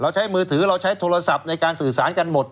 ใช้มือถือเราใช้โทรศัพท์ในการสื่อสารกันหมด